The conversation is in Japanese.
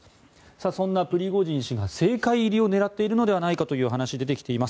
そんなプリゴジン氏が政界入りを狙っているのではないかという話が出てきています。